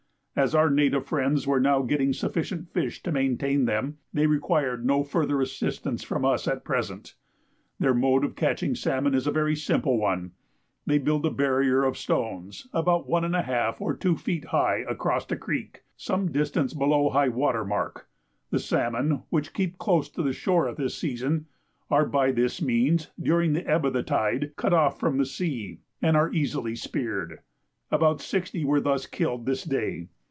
As our native friends were now getting sufficient fish to maintain them, they required no further assistance from us at present. Their mode of catching salmon is a very simple one. They build a barrier of stones about 1½ or 2 feet high across a creek, some distance below high water mark. The salmon, which keep close to the shore at this season, are by this means, during the ebb of the tide, cut off from the sea, and are easily speared. About sixty were thus killed this day.